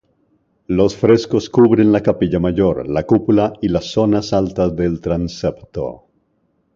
Los frescos cubren la capilla mayor, la cúpula y las zonas altas del transepto.